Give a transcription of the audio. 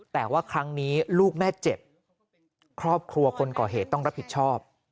แต่ว่าครั้งนี้ลูกแม่เจ็บครอบครัวคนก่อเหตุต้องรับผิดชอบ